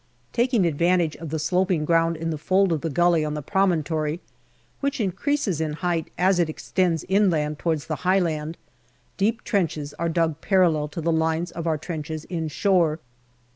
Taking advantage of the sloping ground in the fold of the gully on the promontory, which increases in height as it extends inland towards the high land, deep trenches are dug parallel to the lines of our trenches inshore.